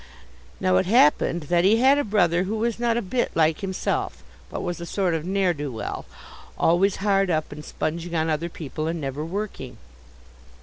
Now it happened that he had a brother who was not a bit like himself, but was a sort of ne'er do well, always hard up and sponging on other people, and never working.